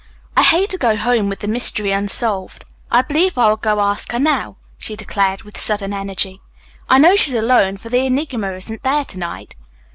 "I hate to go home with the mystery unsolved. I believe I will go ask her now," she declared, with sudden energy. "I know she's alone, for the Enigma isn't there to night."